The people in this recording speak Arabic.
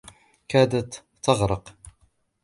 كادت تغرق